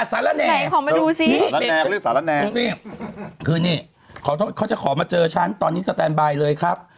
ตอนนี้ข้ามาเจอฉันตอนนี้สแตนต์บายเลยครับ